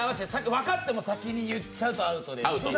分かっても先に言っちゃうとだめ。